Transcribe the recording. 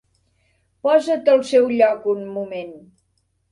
Posa't al seu lloc un moment.